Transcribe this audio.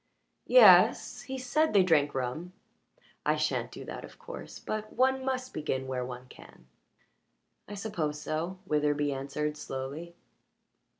"Ye es. He said they drank rum. I sha'n't do that, of course, but one must begin where one can." "I suppose so," Witherbee answered slowly.